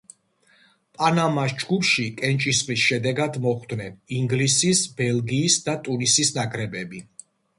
პანამას ჯგუფში კენჭისყრის შედეგად მოხვდნენ ინგლისის, ბელგიის და ტუნისის ნაკრებები.